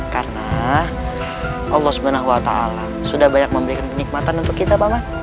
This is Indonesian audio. karena allah subhanahu wa ta'ala sudah banyak memberikan penikmatan untuk kita